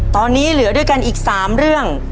ตอนนี้เหลือด้วยกันอีก๓เรื่อง